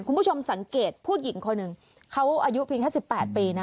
คุณผู้ชมสังเกตผู้หญิงคนหนึ่งเขาอายุเพียงแค่๑๘ปีนะ